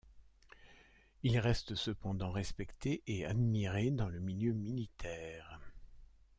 Il reste cependant respecté et admiré dans le milieu militaire.